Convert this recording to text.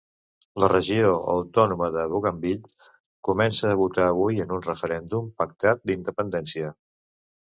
La Regió Autònoma de Bougainville comença a votar avui en un referèndum pactat d'independència.